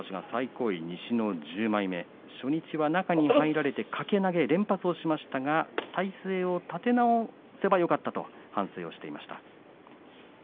最高位西の１０枚目初日は中に入られて掛け投げで敗を喫しましたが体勢を立て直せばよかったと反省をしていました。